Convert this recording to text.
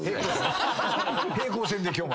平行線で今日も。